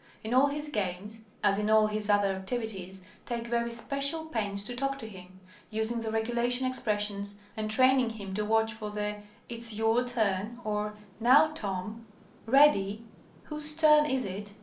In all his games, as in all his other activities, take very special pains to talk to him, using the regulation expressions and training him to watch for the "It's your turn," or "Now, Tom," "Ready," "Whose turn is it?"